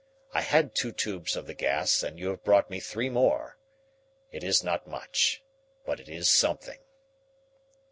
I had two tubes of the gas and you have brought me three more. It is not much, but it is something."